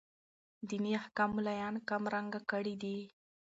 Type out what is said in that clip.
ديني احكام ملايانو کم رنګه کړي دي.